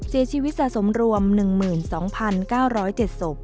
เสียชีวิตสะสมรวม๑๒๙๐๗ศพ